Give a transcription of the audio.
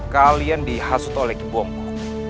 kalian dihasut oleh kibongko